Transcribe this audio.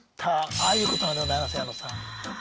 ああいうことなんでございます矢野さん。